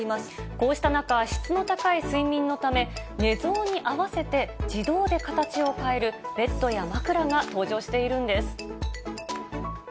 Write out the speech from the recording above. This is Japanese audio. こうした中、質の高い睡眠のため、寝相に合わせて自動で形を変えるベッドや枕が登場しているんです。